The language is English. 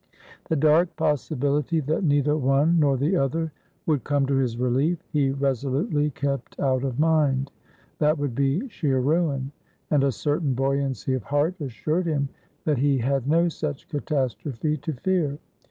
The dark possibility that neither one nor the other would come to his relief, he resolutely kept out of mind; that would be sheer ruin, and a certain buoyancy of heart assured him that he had no such catastrophe to fear.